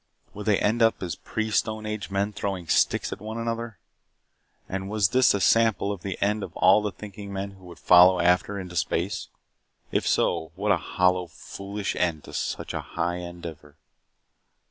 Would they end up as pre stone age men throwing sticks at one another? And was this a sample of the end of all the thinking men who would follow after into space? If so, what a hollow, foolish end to such high endeavor.